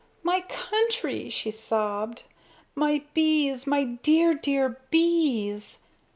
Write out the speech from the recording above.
"My country!" she sobbed, "my bees, my dear, dear bees!"